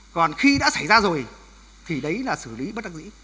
còn khi đã xảy ra rồi thì đấy là xử lý bất đắc dĩ